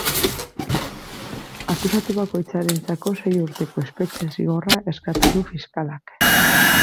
Akusatu bakoitzarentzako sei urteko espetxe-zigorra eskatu du fiskalak.